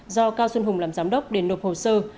do cao xuân hùng làm giám đốc để nộp hồ sơ